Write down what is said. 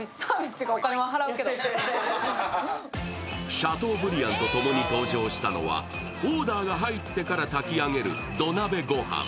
シャトーブリアンとともに登場したのは、オーダーが入ってから炊き上げる土鍋ごはん。